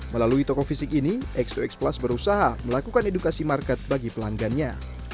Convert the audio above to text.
melalui toko fisik ini x dua x plus berusaha melakukan edukasi market bagi pelanggannya